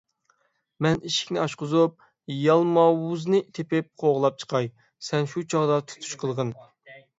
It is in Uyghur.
مەن ئىشىكنى ئاچقۇزۇپ، يالماۋۇزنى تېپىپ قوغلاپ چىقاي، سەن شۇ چاغدا تۇتۇش قىلغىن.